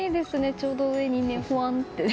ちょうど上に、ほわんって。